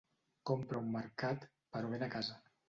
Compra a un mercat, però ven a casa.